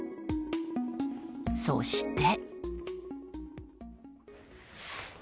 そして。